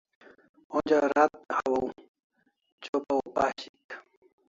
Onja rat hawaw chopa o pashik